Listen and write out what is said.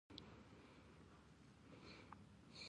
ښتې د افغانستان د ځانګړي ډول جغرافیه استازیتوب کوي.